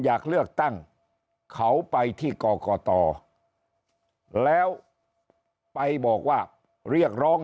อยากเลือกตั้งเขาไปที่กรกตแล้วไปบอกว่าเรียกร้อง